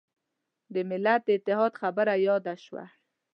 د ملت د اتحاد خبره یاده شوه.